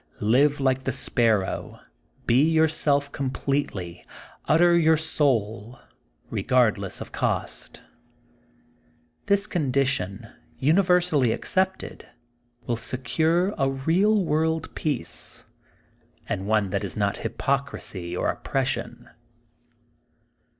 ''Live like the Sparrow. Be yourself completely. Utter your soul, regardless of cost J' This condition, uni versally accepted, wiU secure a real world peace, and one that is not hypocrisy or op pression.